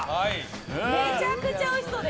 めちゃくちゃおいしそうです。